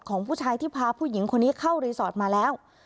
ของผู้ชายที่พาผู้หญิงคนนี้เข้ารีสอร์ทมาแล้ว